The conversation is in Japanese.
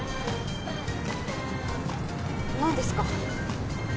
何ですか？